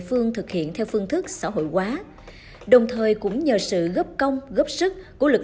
phương thực hiện theo phương thức xã hội hóa đồng thời cũng nhờ sự góp công góp sức của lực